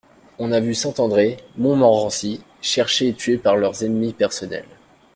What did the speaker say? On a vu Saint-André, Montmorency, cherchés et tués par leurs ennemis personnels.